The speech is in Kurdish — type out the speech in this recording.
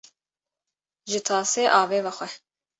Ji tasê avê vexwe